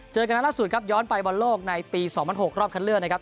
เจอกันนั้นล่าสุดครับย้อนไปบอลโลกในปี๒๐๐๖รอบคันเลือกนะครับ